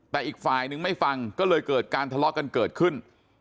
แต่อีกฝ่ายนึงไม่ฟังก็เลยเกิดการทะเลาะกันเกิดขึ้น